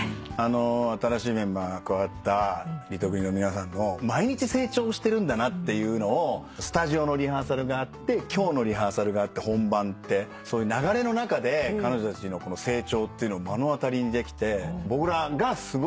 新しいメンバーが加わったリトグリの皆さんの毎日成長してるんだなっていうのをスタジオのリハーサルがあって今日のリハーサルがあって本番ってそういう流れの中で彼女たちの成長っていうのを目の当たりにできて僕らがすごくあおられる。